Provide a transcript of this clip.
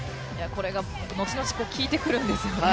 これが後々効いてくるんですよね。